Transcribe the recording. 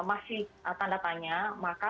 masih tanda tanya maka